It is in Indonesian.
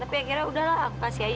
tapi akhirnya udahlah kasih aja